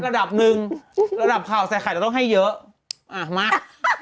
ระดับหนึ่งระดับข่าวใส่ไข่เราต้องให้เยอะอ่ามา